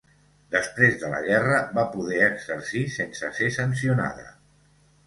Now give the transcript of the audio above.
Després de la guerra va poder exercir sense ser sancionada.